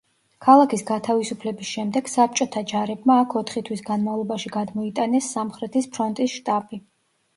ქალაქის გათავისუფლების შემდეგ საბჭოთა ჯარებმა აქ ოთხი თვის განმავლობაში გადმოიტანეს სამხრეთის ფრონტის შტაბი.